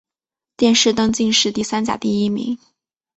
殿试登进士第三甲第一名。